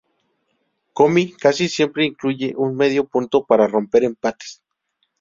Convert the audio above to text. Komi casi siempre incluye un medio punto para romper empates.